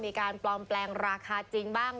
มีการปลอมแปลงราคาจริงบ้าง